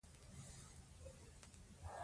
هغه د ږیرې سپینو ډکو ته پام وکړ.